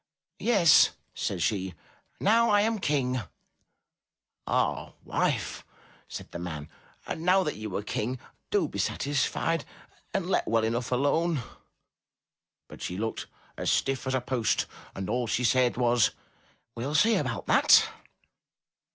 "Yes," said she, "now I am King." 197 MY BOOK HOUSE '*Ah, Wife," said the man, "and now that you are King, do be satisfied and let well enough alone." But she looked as stiff as a post and all she said was, *'] will see about that."